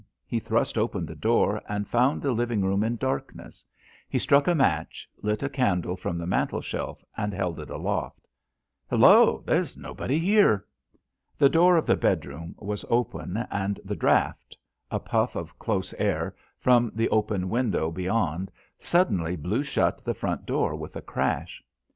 He thrust open the door and found the living room in darkness; he struck a match, lit a candle from the mantelshelf, and held it aloft. "Hallo, there's nobody here." The door of the bedroom was open, and the draught—a puff of close air—from the open window beyond suddenly blew shut the front door with a crash.